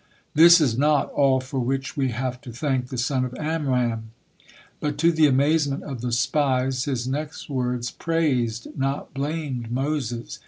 This is not all for which we have to thank the son of Amram." But to the amazement of the spies, his next words praised, not blamed, Moses.